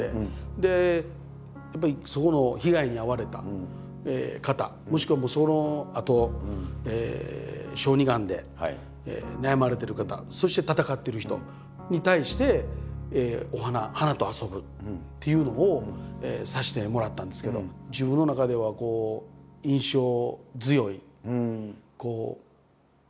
でやっぱりそこの被害に遭われた方もしくはそのあと小児がんで悩まれてる方そして闘ってる人に対してお花花と遊ぶっていうのをさせてもらったんですけど自分の中ではこう印象強い一つの出来事といいますか。